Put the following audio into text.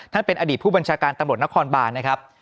ท่านเป็นอดีตผู้บัญชาการตำรวจนครบานนะครับ